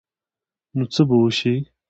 نو څه به وشي ؟